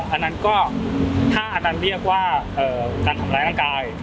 อันนั้นก็ถ้าอันนั้นเรียกว่าการทำร้ายร่างกาย